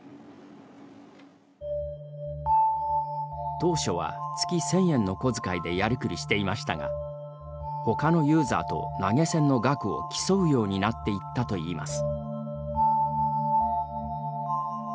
当初は月１０００円の小遣いでやりくりしていましたがほかのユーザーと投げ銭の額を競うようになっていったといいます。